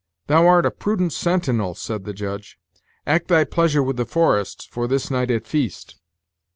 "Thou art a prudent sentinel," said the Judge. "Act thy pleasure with the forests, for this night at feast."